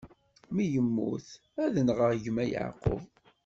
Mi yemmut, ad nɣeɣ gma Yeɛqub.